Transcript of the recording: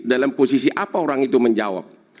dalam posisi apa orang itu menjawab